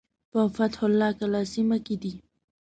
په فتح الله کلا سیمه کې دی.